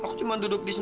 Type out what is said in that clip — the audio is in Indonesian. aku cuma duduk di sini